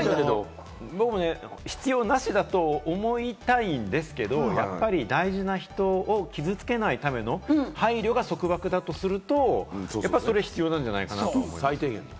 僕は必要なしだと思いたいんですけれど、大事な人を傷つけないための配慮が束縛だとすると、必要なんじゃないかなって。